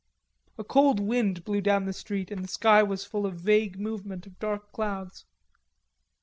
A cold wind blew down the street and the sky was full of vague movement of dark clouds.